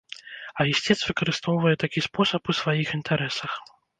А ісцец выкарыстоўвае такі спосаб у сваіх інтарэсах.